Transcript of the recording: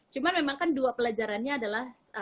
cuma memang kan dua pelajarannya adalah